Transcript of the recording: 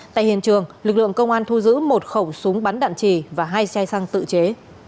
tại hiện trường lực lượng công an thu giữ một khẩu súng bắn đạn trì và hai xe xăng tự chế